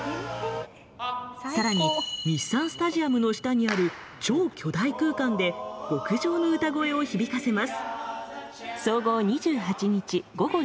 さらに日産スタジアムの下にある超巨大空間で極上の歌声を響かせます。